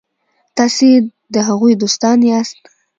تاسي د هغوی دوستان یاست.